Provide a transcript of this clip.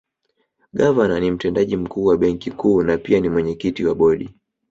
Gavana ni Mtendaji Mkuu wa Benki Kuu na pia ni mwenyekiti wa Bodi